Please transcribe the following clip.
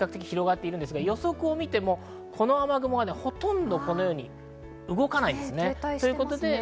比較的広がってるんですが、予測を見てもこの雨雲がほとんどこのように動かないんですね。